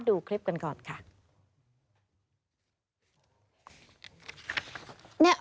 ดูคลิปกันก่อนค่ะ